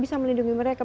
bisa melindungi mereka